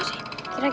ih apa sih